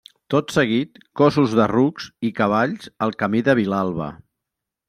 Tot seguit cóssos de rucs i cavalls al camí de Vilalba.